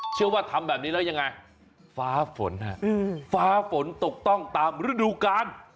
เชื่อว่าทำแบบนี้แล้วยังไงฟ้าฝนฮะฟ้าฝนตกต้องตามฤดูการ